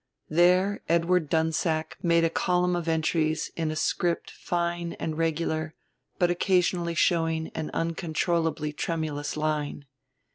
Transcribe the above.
There Edward Dunsack made a column of entries in a script fine and regular but occasionally showing an uncontrollably tremulous line.